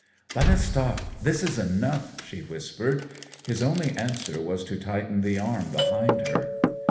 "Let us stop, this is enough," she whispered. His only answer was to tighten the arm behind her.